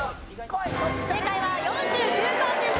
正解は４９パーセント。